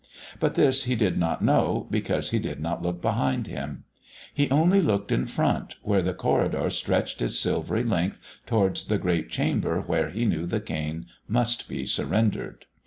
But this he did not know, because he did not look behind him. He only looked in front, where the corridor stretched its silvery length towards the great chamber where he knew the cane must be surrendered.